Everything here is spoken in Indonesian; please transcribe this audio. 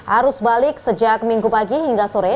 arus balik sejak minggu pagi hingga sore